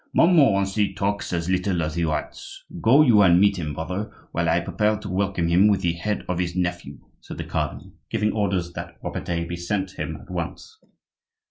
"Montmorency talks as little as he writes; go you and meet him, brother, while I prepare to welcome him with the head of his nephew," said the cardinal, giving orders that Robertet be sent to him at once.